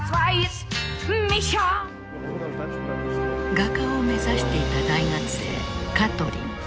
画家を目指していた大学生カトリン。